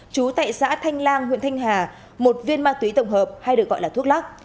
chú tại xã thanh lang huyện thanh hà một viên ma túy tổng hợp hay được gọi là thuốc lắc